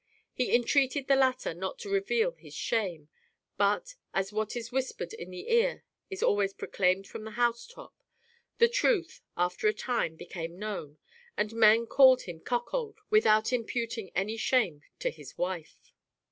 He entreated the latter not to reveal his shame; but, as what is whispered in the ear is always proclaimed from the housetop, the truth, after a time, became known, and men called him cuckold without im puting any shame to his wife.